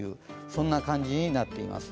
そんな感じになっています。